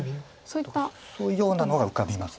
そういうようなのが浮かびます。